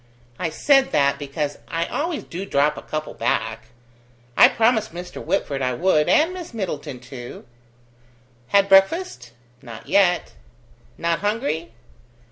I said that, because I always do drop a couple back. I promised Mr. Whitford I would, and Miss Middleton too." "Had breakfast?" "Not yet." "Not hungry?"